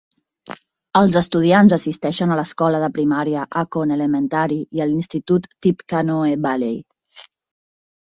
Els estudiants assisteixen a l'escola de primària Akon Elementary i a l'institut Tippecanoe Valley.